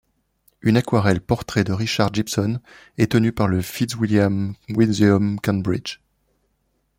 Une aquarelle portrait de Richard Gibson est tenu par le Fitzwilliam Museum, Cambridge.